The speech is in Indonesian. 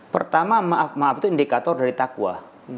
pertama maaf maaf itu indikator dari takwa